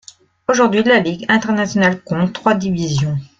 Aujourd'hui, la Ligue internationale compte trois divisions.